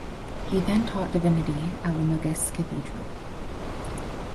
He then taught divinity at Limoges Cathedral.